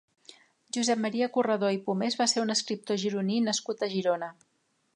Josep Maria Corredor i Pomés va ser un escriptor gironí nascut a Girona.